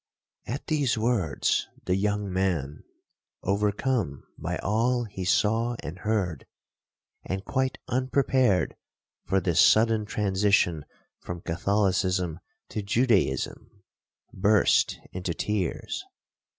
'At these words, the young man, overcome by all he saw and heard, and quite unprepared for this sudden transition from Catholicism to Judaism, burst into tears.